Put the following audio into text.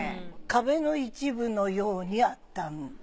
壁の一部のようにあった。